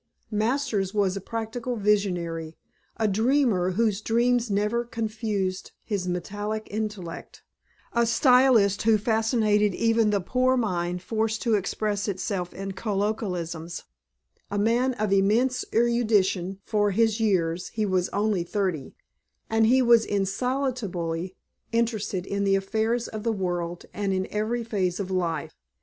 Masters was a practical visionary, a dreamer whose dreams never confused his metallic intellect, a stylist who fascinated even the poor mind forced to express itself in colloquialisms, a man of immense erudition for his years (he was only thirty); and he was insatiably interested in the affairs of the world and in every phase of life.